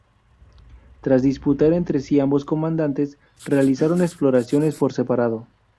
Tras disputar entre sí ambos comandantes, realizaron exploraciones por separado.